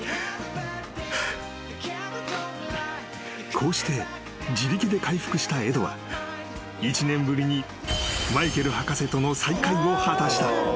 ［こうして自力で回復したエドは１年ぶりにマイケル博士との再会を果たした］